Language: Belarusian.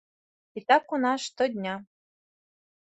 І так у нас штодня!